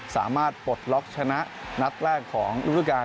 สามารถปลดล็อกชนะนัดแรกของลูกธุรการ